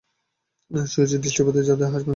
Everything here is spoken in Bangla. শশীর দৃষ্টিপাতে যাদব হাসেন, পৈতে কখনো মাজি না শশী।